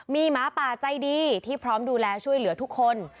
มีหมาป่าใจดีที่พร้อมดูแลช่วยเหลือทุกคน